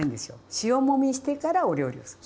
塩もみしてからお料理をする。